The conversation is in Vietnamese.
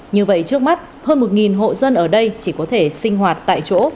như vậy trước mắt hơn một hộ dân ở đây chỉ có thể sinh hoạt tại chỗ